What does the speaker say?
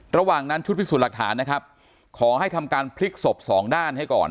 ระหว่างนั้นชุดพิสูจน์หลักฐานนะครับขอให้ทำการพลิกศพสองด้านให้ก่อน